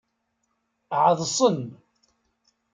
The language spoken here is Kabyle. Ɛeḍsen.